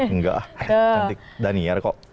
engga cantik daniar kok